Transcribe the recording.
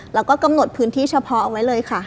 แล้วก็กำหนดพื้นที่เฉพาะเอาไว้เลยค่ะ